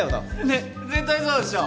・ねっ絶対そうでしょ